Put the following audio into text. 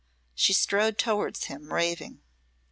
She strode towards him, raving.